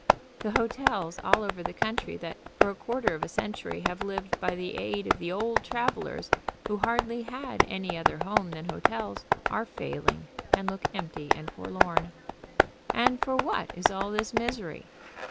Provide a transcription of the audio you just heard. The hotels all over the country that for a quarter of a century have lived by the aid of "the old travelers, who hardly had any other home than hotels, are failing, and look empty and forlorn. 26 THE TRUST AND THE DRUMMER And for what is all this misery